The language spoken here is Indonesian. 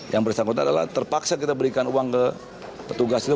yang bersangkutan adalah terpaksa kita berikan uang ke petugas itu